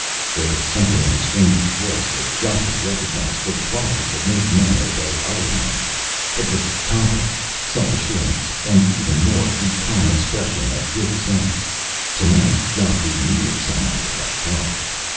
There was something in the stranger's voice that Geoffrey recognized for the quality that made men obey other men. It was competence, self assurance, and, even more, the calm expression of good sense. Tonight, Geoffrey needed someone with that quality.